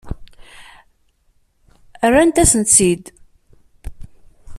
Rrant-asen-tt-id.